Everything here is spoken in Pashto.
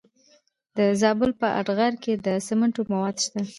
د زابل په اتغر کې د سمنټو مواد شته.